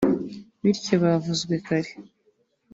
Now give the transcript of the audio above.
bityo bavuzwe kare